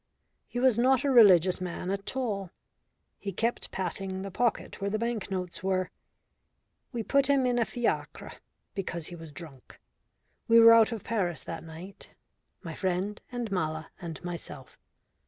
He was not a religious man at all. He kept patting the pocket where the bank notes were. We put him in a fiacre, because he was drunk. We were out of Paris that night my friend, and Mala, and myself.